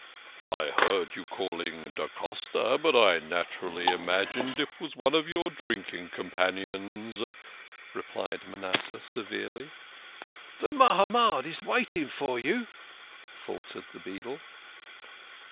" I heard you call ing da Costa, but I naturally imagined it was one of your drinking compan ions," replied Ma nasseh severely. "The Mahamad is waiting for you," faltered the beadle.